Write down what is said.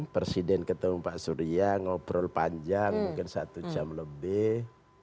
presiden ketemu pak surya ngobrol panjang mungkin satu jam lebih